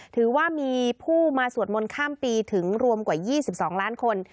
ถือว่ามีผู้มาสวดมนต์ข้ามปีถึงรวมกว่า๒๒ล้านคน